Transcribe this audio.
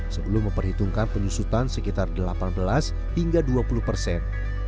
sebelum memperhitungkan penyusutan sekitar delapan belas hingga dua puluh persen